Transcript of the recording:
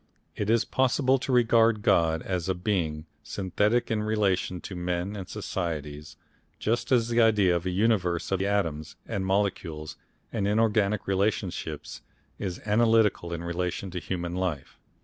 It is possible to regard God as a Being synthetic in relation to men and societies, just as the idea of a universe of atoms and molecules and inorganic relationships is analytical in relation to human life.